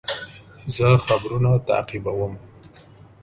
زه خبرونه تعقیبوم.